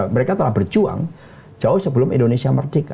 mereka telah berjuang jauh sebelum indonesia merdeka